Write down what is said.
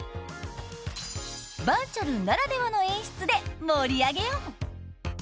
バーチャルならではの演出で盛り上げよう！